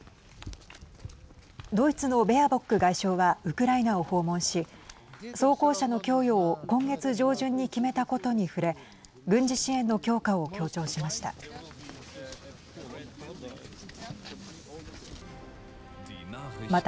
ドイツのベアボック外相はウクライナを訪問し装甲車の供与を今月上旬に決めたことに触れ軍事支援の強化を強調しました。